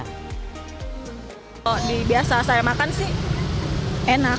kalau di biasa saya makan sih enak